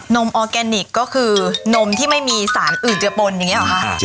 มออร์แกนิคก็คือนมที่ไม่มีสารอื่นจะปนอย่างนี้หรอคะ